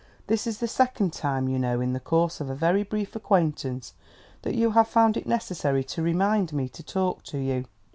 "This is the second time, you know, in the course of a very brief acquaintance, that you have found it necessary to remind me to talk to you."